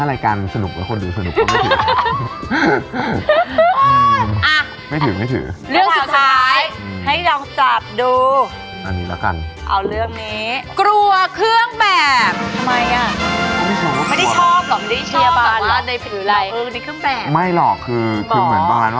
แล้วก็เอาไปใช้แล้วก็ออกด้วย